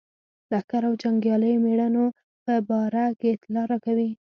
لښکرو او جنګیالیو مېړنو په باره کې اطلاع راکوي.